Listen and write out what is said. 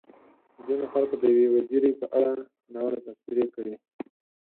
ځينو خلکو د يوې وزيرې په اړه ناوړه تبصرې کړې.